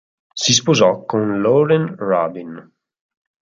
Sì sposò con Lauren Rubin.